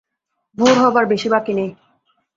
ভোর হবার বেশি বাকি নেই।